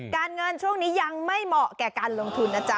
เงินช่วงนี้ยังไม่เหมาะแก่การลงทุนนะจ๊